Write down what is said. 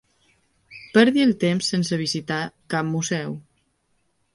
Perdi el temps sense visitar cap museu.